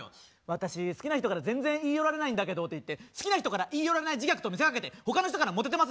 「私好きな人から全然言い寄られないんだけど」って言って好きな人から言い寄られない自虐と見せかけて他の人からモテてます